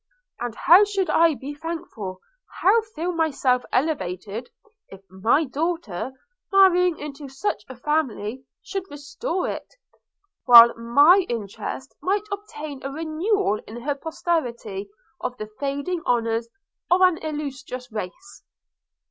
And how should I be thankful, how feel myself elevated, if my daughter, marrying into such a family, should restore it, while my interest might obtain a renewal in her posterity of the fading honours of an illustrious race!'